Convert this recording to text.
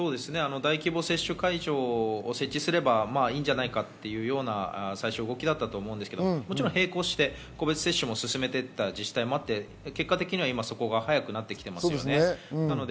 大規模接種会場を設置すればいいんじゃないかという動きだったんですけれども、もちろん並行して個別接種も進めた自治体もありますが、結果的にそこが早くなってきていますよね。